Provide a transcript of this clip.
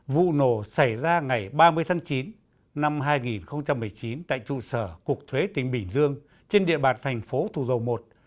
vụ nổ xảy ra ngày ba mươi tháng chín năm hai nghìn một mươi chín tại trụ sở cục thuế tỉnh bình dương trên địa bàn thành phố thủ dầu một